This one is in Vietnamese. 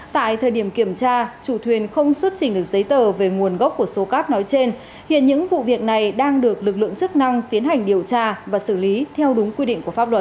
tại thời điểm kiểm tra chủ thuyền không xuất trình được giấy tờ về nguồn gốc của số cát nói trên hiện những vụ việc này đang được lực lượng chức năng tiến hành điều tra và xử lý theo đúng quy định của pháp luật